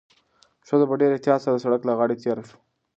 ښځه په ډېر احتیاط سره د سړک له غاړې تېره شوه.